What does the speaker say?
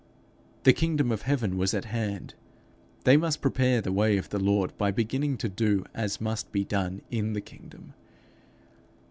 The kingdom of heaven was at hand: they must prepare the way of the Lord by beginning to do as must be done in his kingdom.